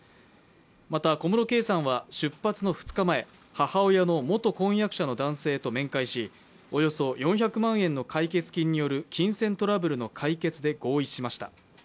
また小室圭さんは出発の２日前、母親の元婚約者の男性と面会し、およそ４００万円の解決金による金銭トラブルの解決で合意しました。